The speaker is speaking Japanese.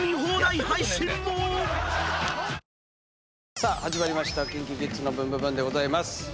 さあ始まりました『ＫｉｎＫｉＫｉｄｓのブンブブーン！』です。